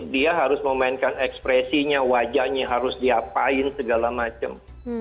dia harus memainkan ekspresinya wajahnya harus diapain segala macam